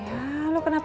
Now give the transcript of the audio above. ya lu kenapa